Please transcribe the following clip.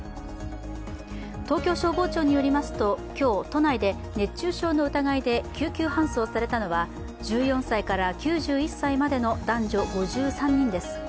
東京消防庁によりますと、今日、都内で熱中症の疑いで救急搬送されたのは１４歳から９１歳までの男女５３人です。